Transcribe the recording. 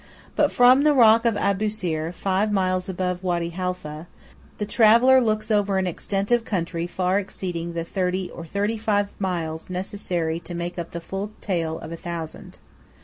But from the Rock of Abusir, five miles above Wady Halfeh, the traveller looks over an extent of country far exceeding the thirty or thirty five miles necessary to make up the full tale of a thousand.